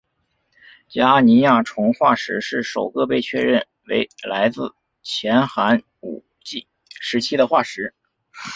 加尼亚虫化石是首个被确认为来自前寒武纪时期的化石。